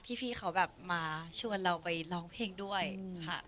พี่เขาแบบมาชวนเราไปร้องเพลงด้วยค่ะ